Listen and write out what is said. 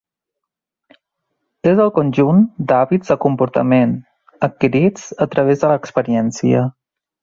És el conjunt d'hàbits de comportament adquirits a través de l'experiència.